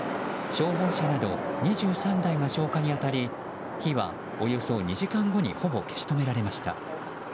消防車など２３台が消火に当たり火はおよそ２時間後にほぼ消し止められました。